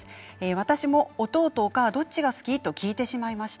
私も、おとうとおかあどっちが好き？と聞いてしまいました。